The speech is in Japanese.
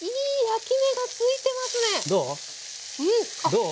どう？